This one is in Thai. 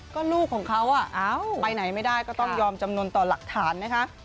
ก็ลูกของเขาไปไหนไม่ได้ก็ต้องยอมจำนวนต่อหลักฐานนะคะ